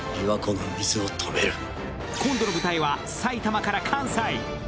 今度の舞台は埼玉から関西。